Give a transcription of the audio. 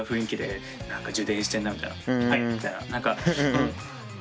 はいみたいな。ね。